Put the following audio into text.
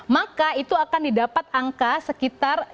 maka itu akan didapat angka sekitar